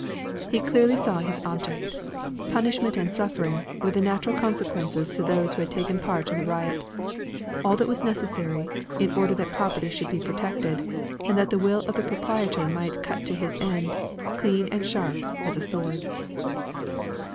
He clearly saw his object. Punishment and suffering, were the natural consequences to those who had taken part in the riot. All that was necessary, in order that property should be protected, and that the will of the proprietor might cut to his end, clean and sharp as a sword.